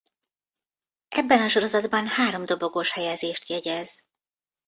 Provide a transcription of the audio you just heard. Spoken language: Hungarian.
Ebben a sorozatban három dobogós helyezést jegyez.